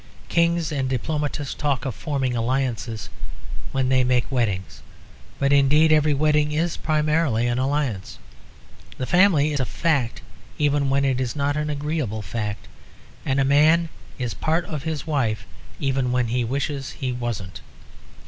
Kings and diplomatists talk of "forming alliances" when they make weddings; but indeed every wedding is primarily an alliance. The family is a fact even when it is not an agreeable fact, and a man is part of his wife even when he wishes he wasn't.